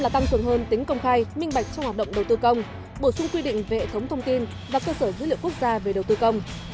tăng cường hơn tính công khai minh bạch trong hoạt động đầu tư công bổ sung quy định về hệ thống thông tin và cơ sở dữ liệu quốc gia về đầu tư công